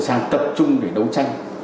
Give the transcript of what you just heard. sang tập trung để đấu tranh